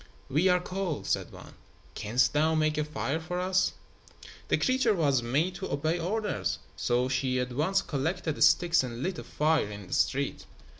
"We are cold," said one. "Canst thou make a fire for us?" The creature was made to obey orders, so she at once collected sticks and lit a fire in the street.